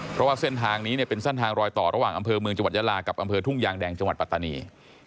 เพราะว่าเส้นทางนี้เนี่ยเป็นเส้นทางรอยต่อระหว่างอำเภอเมืองจังหวัดยาลากับอำเภอทุ่งยางแดงจังหวัดปัตตานี